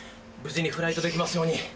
無事にフライトできますように。